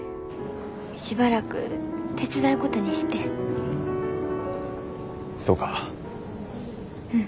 しばらく手伝うことにしてん。